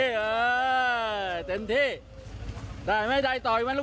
หอให้เต็มพี่เต็มคาราเบล